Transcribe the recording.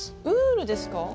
ウールですか？